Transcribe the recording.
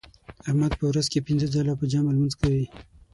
احمد په ورځ کې پینځه ځله په جمع لمونځ کوي.